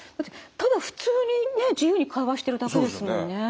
ただ普通にね自由に会話してるだけですもんね。